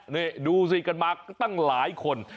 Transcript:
นี่ดูสิกันมาตั้งหลายคน